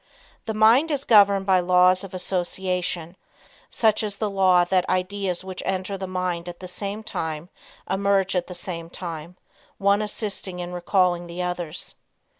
The mind is governed by laws of association, such as the law that ideas which enter the mind at the same time emerge at the same time, one assisting in recalling the others.